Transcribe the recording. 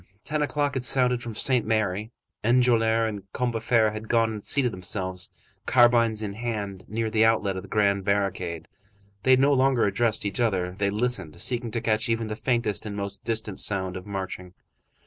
Ten o'clock had sounded from Saint Merry. Enjolras and Combeferre had gone and seated themselves, carbines in hand, near the outlet of the grand barricade. They no longer addressed each other, they listened, seeking to catch even the faintest and most distant sound of marching.